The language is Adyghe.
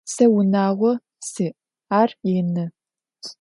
Сэ унагъо сиӏ, ар ины.